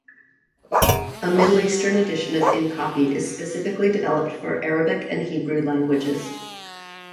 A Middle Eastern edition of InCopy is specifically developed for Arabic and Hebrew languages.